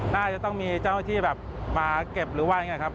น่าจะต้องมีเจ้าหน้าที่แบบมาเก็บหรือว่ายังไงครับ